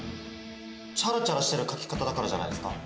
チャラチャラしてる書き方だからじゃないですか？